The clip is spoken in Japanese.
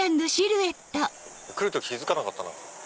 来る時気付かなかったな。